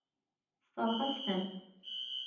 Tessṛeɣ-as-tent.